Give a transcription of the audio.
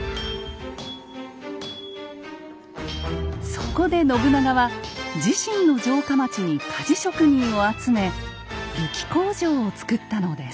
そこで信長は自身の城下町に鍛冶職人を集め武器工場をつくったのです。